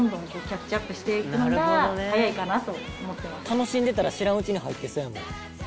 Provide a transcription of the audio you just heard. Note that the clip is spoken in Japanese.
「楽しんでたら知らんうちに入ってそうやもん」